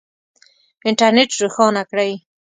انټرنېټ روښانه کړئ